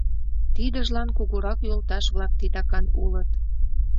— Тидыжлан кугурак йолташ-влак титакан улыт...